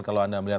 kalau anda melihat